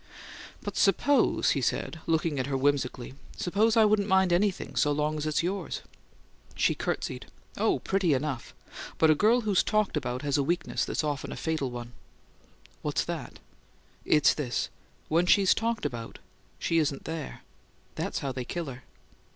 "But suppose," he said, looking at her whimsically; "suppose I wouldn't mind anything so long as it's yours?" She courtesied. "Oh, pretty enough! But a girl who's talked about has a weakness that's often a fatal one." "What is it?" "It's this: when she's talked about she isn't THERE. That's how they kill her."